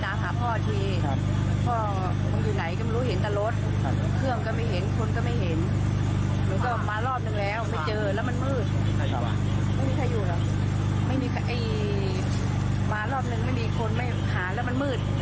ใช่ครับไม่มีใครอยู่หรอไม่มีใครมารอบนึงไม่มีคนไม่หาแล้วมันมืด